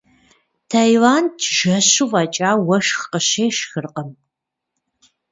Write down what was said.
Таиланд жэщу фӏэкӏа уэшх къыщешхыркъым.